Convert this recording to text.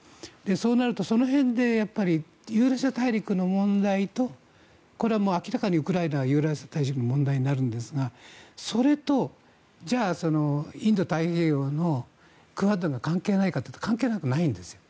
そうなると、その辺でユーラシア大陸の問題とこれは明らかにウクライナはユーラシア大陸の問題になるんですがそれとじゃあインド太平洋のクアッドが関係ないかというと関係なくないんですよ。